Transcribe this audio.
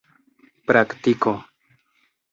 praktiko